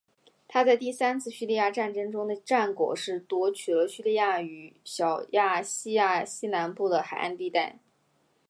他在第三次叙利亚战争中的战果是夺取了叙利亚与小亚细亚西南部的海岸地带。